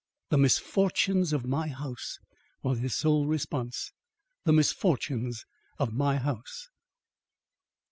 "The misfortunes of my house!" was his sole response. "The misfortunes of my house!"